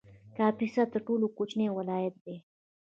کاپیسا تر ټولو کوچنی ولایت دی